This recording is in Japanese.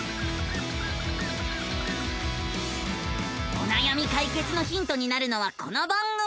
おなやみ解決のヒントになるのはこの番組。